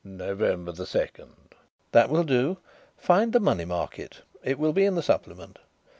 "November the second." "That will do. Find the Money Market; it will be in the Supplement.